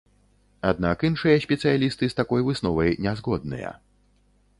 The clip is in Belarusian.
Аднак іншыя спецыялісты з такой высновай ня згодныя.